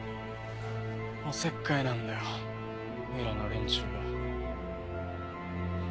おせっかいなんだよ村の連中は。